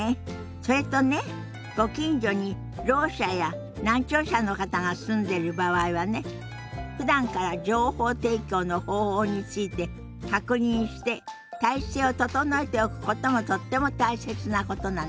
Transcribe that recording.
それとねご近所にろう者や難聴者の方が住んでる場合はねふだんから情報提供の方法について確認して体制を整えておくこともとっても大切なことなのよ。